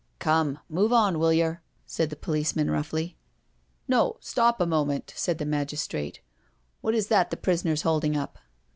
" Come, move on, will yer?" said the policeman roughly. "No, stop a moment," said the magistrate; "what is that the prisoner is holding up?"